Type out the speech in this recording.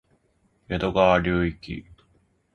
江戸川流域